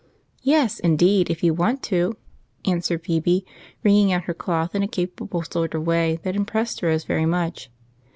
"Yes, indeed, if you want to," answered Phebe, wringing out her cloth in a capable sort of way that impressed Rose very much.